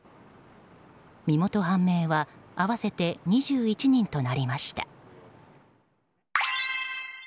身元判明は合わせて２１人となりました。